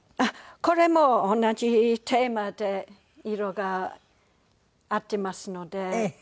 これも同じテーマで色が合ってますので。